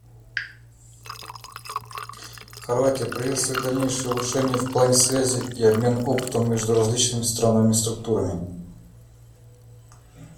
Хорватия приветствует дальнейшие улучшения в плане связи и обмена опытом между различными страновыми структурами.